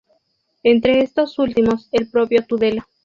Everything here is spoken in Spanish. Entre estos últimos el propio Tudela.